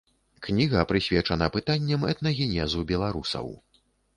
Кніга прысвечана пытанням этнагенезу беларусаў.